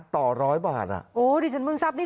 ต่อร้อยบาทอ่ะโอ้ดิฉันเพิ่งทราบนี่